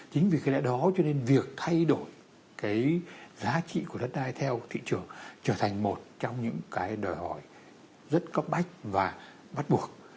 chính vì cái lẽ đó cho nên việc thay đổi cái giá trị của đất đai theo thị trường trở thành một trong những cái đòi hỏi rất cấp bách và bắt buộc